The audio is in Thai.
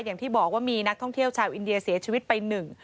อย่างที่บอกว่ามีนักท่องเที่ยวชาวอินเดียเสียชีวิตไปหนึ่ง